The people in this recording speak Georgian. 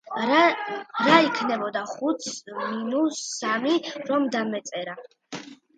რა იქნებოდა ხუთს მინუს სამი რომ დამეწერა?